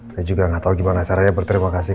saya juga gak tau gimana caranya berterima kasih